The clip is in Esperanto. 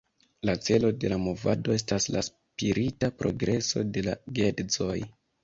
La celo de la movado estas la spirita progreso de la geedzoj.